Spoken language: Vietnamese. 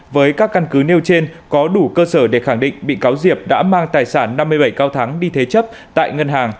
với các căn cứ nêu trên có đủ cơ sở để khẳng định bị cáo diệp đã mang tài sản năm mươi bảy cao thắng đi thế chấp tại ngân hàng